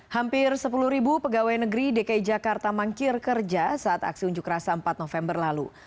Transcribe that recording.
hampir sepuluh pegawai negeri dki jakarta mangkir kerja saat aksi unjuk rasa empat november lalu